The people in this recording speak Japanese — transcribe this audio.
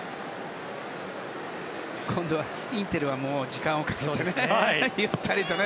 今度はインテルは時間をかけてねゆったりとね。